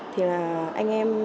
thì là anh em